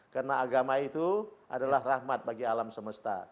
karena agama itu adalah rahmat bagi alam semesta